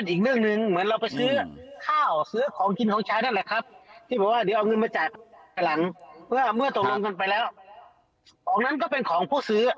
ทนายเกิดผลครับให้ทนายเกิดผลครับ